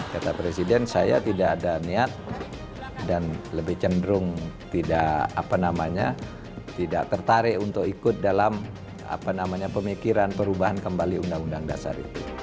kata presiden saya tidak ada niat dan lebih cenderung tidak tertarik untuk ikut dalam pemikiran perubahan kembali undang undang dasar itu